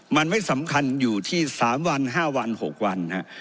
มันไม่สำคัญอยู่ที่๓วัน๕วัน๖วัน